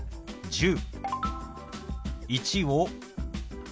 「１０」。